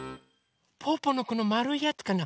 ぽぅぽのこのまるいやつかな？